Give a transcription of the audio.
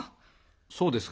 そうですか？